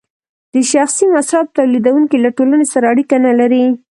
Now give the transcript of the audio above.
د شخصي مصرف تولیدونکی له ټولنې سره اړیکه نلري